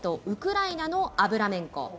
ウクライナのアブラメンコ。